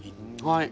はい。